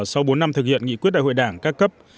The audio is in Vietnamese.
sau bốn năm thực hiện nghị quyết đại hội đảng các cấp